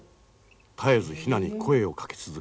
絶えずヒナに声をかけ続ける。